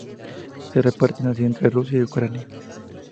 Se reparten así entre Rusia y Ucrania.